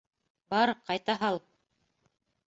Бар, ҡайта һал!